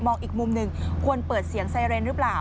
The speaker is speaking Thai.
อีกมุมหนึ่งควรเปิดเสียงไซเรนหรือเปล่า